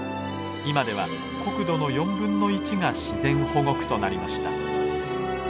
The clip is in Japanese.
今では国土の４分の１が自然保護区となりました。